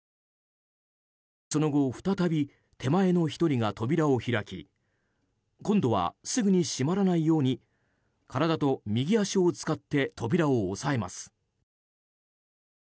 その後再び手前の１人が扉を開き今度はすぐに閉まらないように体と右足を使って扉を押さえます。